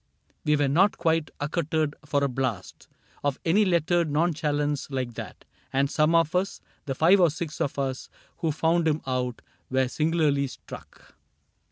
We were not quite accoutred for a blast Of any lettered nonchalance like that. And some of us — the five or six of us Who found him out — were singularly struck.